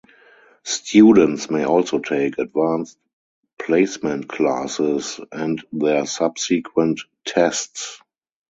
Students may also take Advanced Placement classes and their subsequent tests.